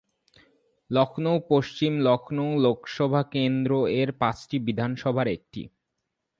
লখনউ পশ্চিম, লখনউ লোকসভা কেন্দ্র-এর পাঁচটি বিধানসভার একটি।